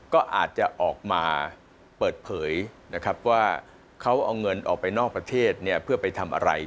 ก็อาจจะออกมาเปิดเผยนะครับว่าเขาเอาเงินออกไปนอกประเทศเนี่ยเพื่อไปทำอะไร